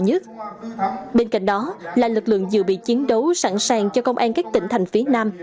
nhất bên cạnh đó là lực lượng dự bị chiến đấu sẵn sàng cho công an các tỉnh thành phía nam